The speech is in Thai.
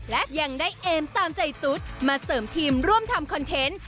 และยังได้เอมตามใจตุ๊ดมาเสริมทีมร่วมทำคอนเทนต์